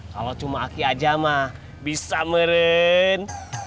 kalau cuma aki aja ma bisa meren